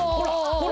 ほら！